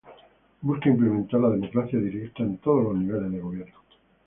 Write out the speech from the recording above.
Busca implementar la democracia directa en todos los niveles de gobierno.